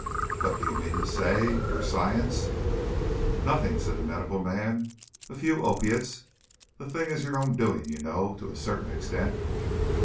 "But do you mean to say ... Your science ..." "Nothing," said the medical man. "A few opiates. The thing is your own doing, you know, to a certain extent."